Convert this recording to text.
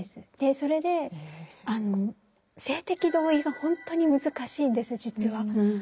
それで性的同意がほんとに難しいんです実は。